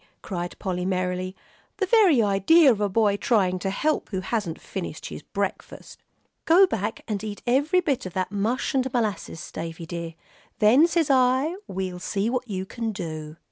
cried Polly, merrily, "the very idea of a boy trying to help who hasn't finished his breakfast. Go back and eat every bit of that mush and molasses, Davie dear; then, says I, we'll see what you can do."